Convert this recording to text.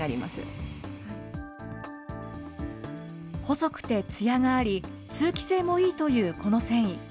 細くてつやがあり、通気性もいいというこの繊維。